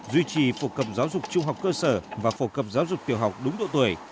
duy trì phổ cập giáo dục trung học cơ sở và phổ cập giáo dục tiểu học đúng độ tuổi